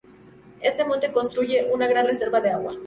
Este monte constituye una gran reserva de agua.